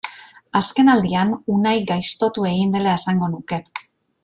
Azkenaldian Unai gaiztotu egin dela esango nuke.